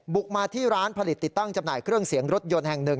บุกมาที่ร้านผลิตติดตั้งจำหน่ายเครื่องเสียงรถยนต์แห่งหนึ่ง